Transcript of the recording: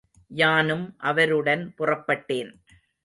யானும் அவருடன் புறப்பட்டேன்.